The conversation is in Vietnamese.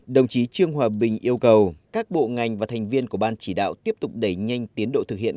đồng chí trương hòa bình yêu cầu các bộ ngành và thành viên của ban chỉ đạo tiếp tục đẩy nhanh tiến độ thực hiện